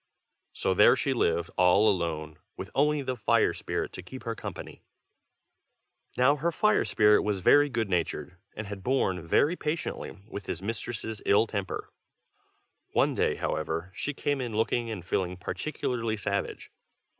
So there she lived all alone, with only the fire spirit to keep her company. Now her fire spirit was very good natured, and had borne very patiently with his mistress' ill temper. One day, however, she came in looking and feeling particularly savage.